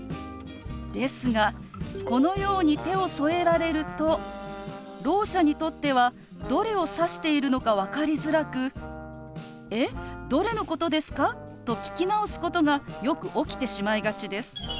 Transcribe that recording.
ですがこのように手を添えられるとろう者にとってはどれを指しているのか分かりづらく「えっ？どれのことですか？」と聞き直すことがよく起きてしまいがちです。